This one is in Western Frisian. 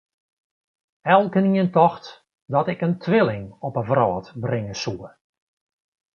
Elkenien tocht dat ik in twilling op 'e wrâld bringe soe.